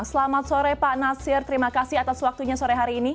selamat sore pak nasir terima kasih atas waktunya sore hari ini